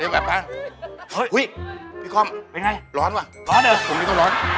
เฮ้ยพี่คอมล้อนเหรอผมไม่ก็ล้อน